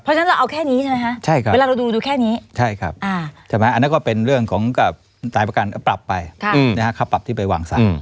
เพราะฉะนั้นเราเอาแค่นี้ใช่ไหมฮะ